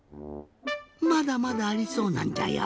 まだまだありそうなんじゃよ